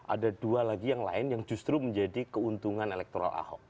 ada dua lagi yang lain yang justru menjadi keuntungan elektoral ahok